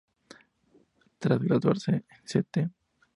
Tras graduarse en St.